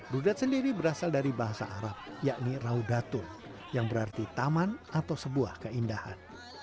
rudat sendiri berasal dari bahasa arab yakni raudatun yang berarti taman atau sebuah keindahan